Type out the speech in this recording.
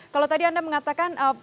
kalau tadi anda mengatakan